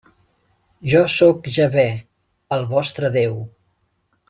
Jo sóc Jahvè, el vostre Déu.